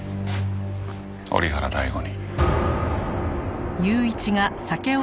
折原大吾に。